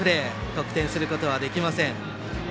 得点することはできません。